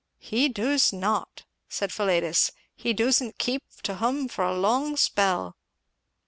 "He doos not," said Philetus; "he doosn't keep to hum for a long spell."